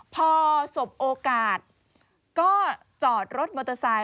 พอสบโอกาสก็จอดรถมอเตอร์ไซค